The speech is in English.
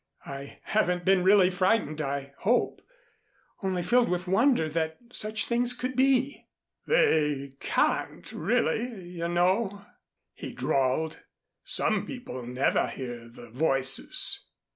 I haven't been really frightened, I hope. Only filled with wonder that such things could be." "They can't really, you know," he drawled. "Some people never hear the voices."